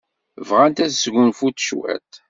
Bɣant ad sgunfunt cwiṭ.